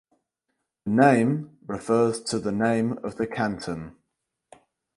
The name refers to the name of the canton.